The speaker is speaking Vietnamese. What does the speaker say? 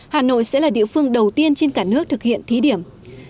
hà nội sẽ là địa phương đầu tiên trên cả nước thực hiện thí điểm